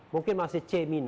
mungkin masih c